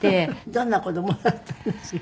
どんな子供だったんですか？